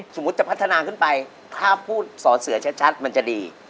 สมมุติจะพัฒนาขึ้นไปถ้าพูดสอเสือชัดมันจะดี